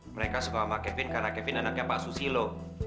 mereka suka sama kevin karena kevin anaknya pak susilo